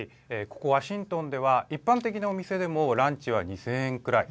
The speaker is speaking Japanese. ここワシントンでは一般的なお店でもランチは２０００円くらい。